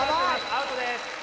アウトです